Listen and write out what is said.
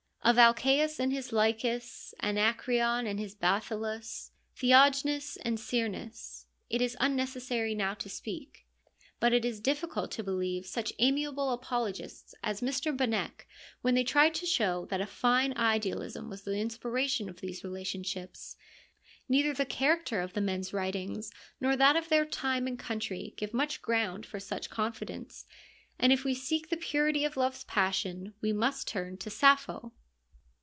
Of Alcaeus and his Lycus, Anacreon and his Bathyllus, Theognis and Cyrnus, it is unnecessary now to speak, but it is difficult to believe such amiable apologists as Mr. Benecke when they try to show that a fine idealism was the inspiration of these relationships. Neither the character of the men's writings nor that of their time and country give much ground for such con fidence, and if we seek the purity of love's passion we must turn to Sappho.